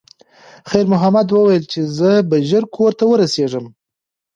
خیر محمد وویل چې زه به ژر کور ته ورسیږم.